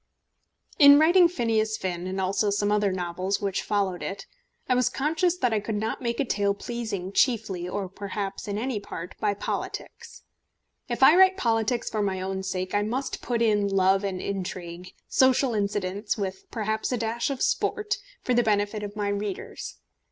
In writing Phineas Finn, and also some other novels which followed it, I was conscious that I could not make a tale pleasing chiefly, or perhaps in any part, by politics. If I write politics for my own sake, I must put in love and intrigue, social incidents, with perhaps a dash of sport, for the benefit of my readers.